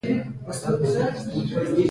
هغه راته وويل چې بدن پر موږ حق لري.